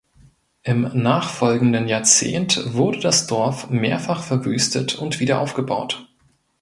Im nachfolgenden Jahrzehnt wurde das Dorf mehrfach verwüstet und wieder aufgebaut.